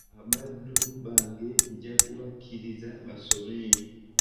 Abaddu bange nja kubakkiriza basome.